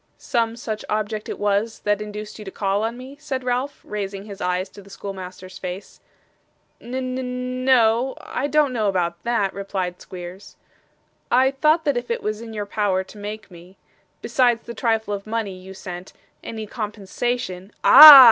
'Some such object it was, that induced you to call on me?' said Ralph, raising his eyes to the schoolmaster's face. 'N n no, I don't know that,' replied Squeers. 'I thought that if it was in your power to make me, besides the trifle of money you sent, any compensation ' 'Ah!